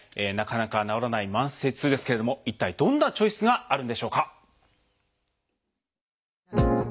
なかなか治らない慢性痛ですけれども一体どんなチョイスがあるんでしょうか。